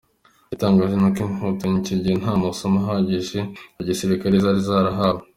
Igitangaje ni uko Inkotanyi icyo gihe nta masomo ahagije ya gisirikare zari zarahawe.